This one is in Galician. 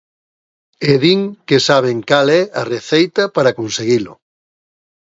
E din que saben cal é a receita para conseguilo.